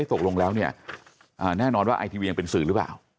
ตกลงแล้วเนี่ยแน่นอนว่าไอทีวียังเป็นสื่อหรือเปล่า